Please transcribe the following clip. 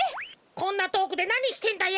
こんなとおくでなにしてんだよ？